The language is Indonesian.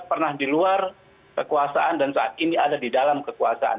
pernah di luar kekuasaan dan saat ini ada di dalam kekuasaan